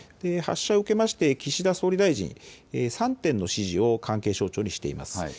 発射を受けまして岸田総理大臣、３点の指示を関係省庁にしています。